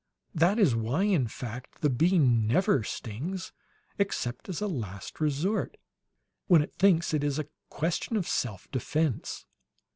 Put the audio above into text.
That is why, in fact, the bee never stings except as a last resort, when it thinks it's a question of self defense."